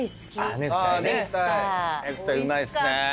ネクタイうまいっすね。